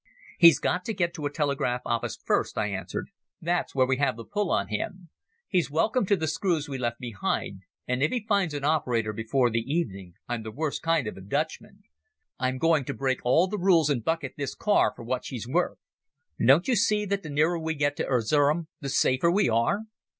"He's got to get to a telegraph office first," I answered. "That's where we have the pull on him. He's welcome to the screws we left behind, and if he finds an operator before the evening I'm the worst kind of a Dutchman. I'm going to break all the rules and bucket this car for what she's worth. Don't you see that the nearer we get to Erzerum the safer we are?"